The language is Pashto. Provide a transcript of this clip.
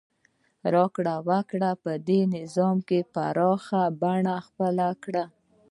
راکړې ورکړې په دې نظام کې پراخه بڼه خپله کړه.